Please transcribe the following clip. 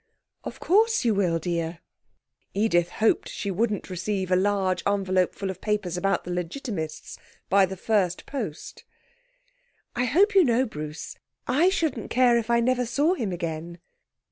'Of course you will, dear.' Edith hoped she wouldn't receive a large envelope full of papers about the Legitimists by the first post. 'I hope you know, Bruce, I shouldn't care if I never saw him again.'